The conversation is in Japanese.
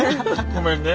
ごめんね。